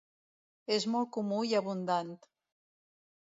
És molt comú i abundant.